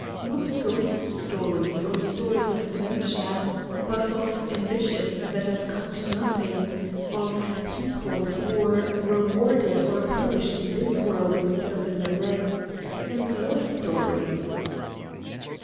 Not ghost stories, or stories of adventure, but of ambitions that come to nothing, of people who were rewarded or punished in this world instead of in the next, and love stories."